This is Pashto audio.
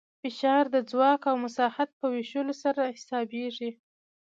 فشار د ځواک او مساحت په ویشلو سره حسابېږي.